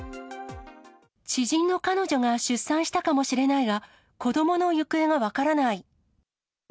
知人の彼女が出産したかもしれないが、子どもの行方が分からない。